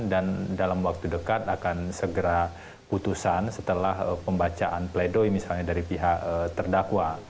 dan dalam waktu dekat akan segera putusan setelah pembacaan pleidoy misalnya dari pihak terdakwa